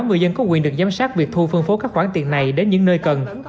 người dân có quyền được giám sát việc thu phân phố các khoản tiền này đến những nơi cần